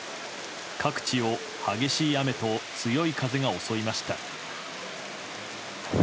各地を激しい雨と強い風が襲いました。